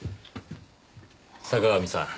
坂上さん